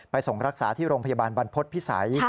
ส่งรักษาที่โรงพยาบาลบรรพฤษภิษัย